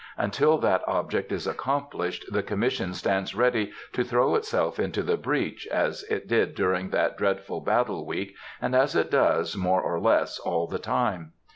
Until that object is accomplished, the Commission stands ready to throw itself into the breach, as it did during that dreadful battle week, and as it does, more or less, all the time.